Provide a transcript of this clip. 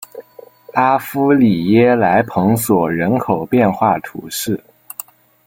阿夫里耶莱蓬索人口变化图示